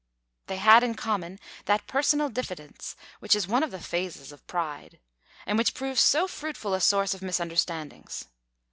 They had in common that personal diffidence which is one of the phases of pride, and which proves so fruitful a source of misunderstandings.